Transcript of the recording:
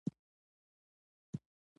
ملنګ د هغه سړی لپاره دعا وکړه.